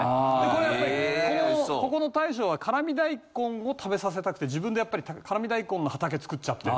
これやっぱりここの大将は辛味大根を食べさせたくて自分でやっぱり辛味大根の畑作っちゃって。